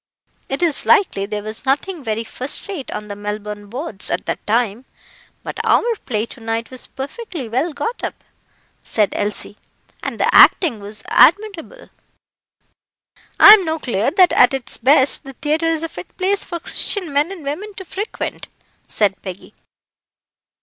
"It is likely there was nothing very first rate on the Melbourne boards at that time, but our play to night was perfectly well got up," said Elsie, "and the acting was admirable." "I'm no clear that at its best the theatre is a fit place for Christian men and women to frequent," said Peggy.